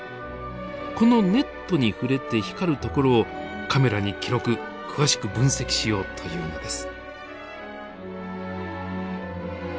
このネットに触れて光る所をカメラに記録詳しく分析しようというのです。